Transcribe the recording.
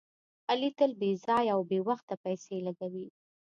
علي تل بې ځایه او بې وخته پیسې لګوي.